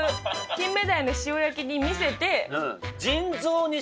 金目鯛の塩焼きに見せて。